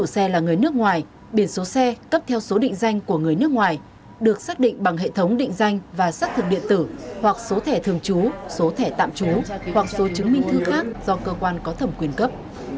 số định danh của người nước ngoài được xác định bằng hệ thống định danh và sắt thường điện tử hoặc số thẻ thường trú số thẻ tạm trú hoặc số chứng minh thư khác do cơ quan có thẩm quyền cấp